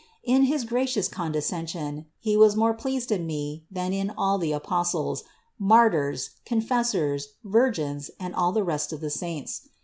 In his gracious condescension He was more pleased in me than in all the Apostles, Martyrs, Confessors, Virgins and all the rest of the saints.